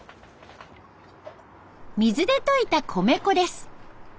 水で溶いた米粉です。